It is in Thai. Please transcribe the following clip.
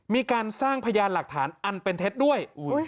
มีการสร้างพยานหลักฐานอันเป็นเท็จด้วย